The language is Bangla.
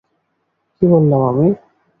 কী বললাম আমি?